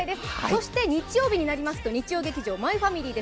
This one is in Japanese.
そして日曜日になりますと日曜劇場「マイファミリー」